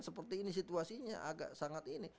seperti ini situasinya agak sangat ini